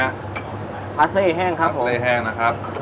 พาเซลล์แห้งครับผมพาเซลล์แห้งนะครับ